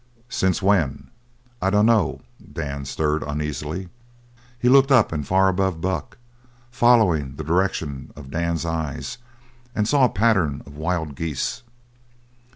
"Since when?" "I dunno." Dan stirred uneasily. He looked up, and far above Buck, following the direction of Dan's eyes, saw a pattern of wild geese.